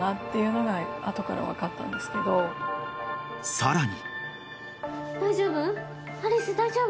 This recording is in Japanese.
［さらに］